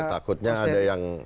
takutnya ada yang